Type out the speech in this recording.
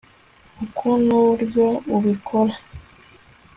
uku nuburyo ubikora